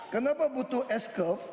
kenapa butuh s curve